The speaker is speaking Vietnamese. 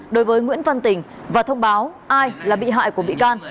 đối với nguyễn văn tình và thông báo ai là bị hại của bị can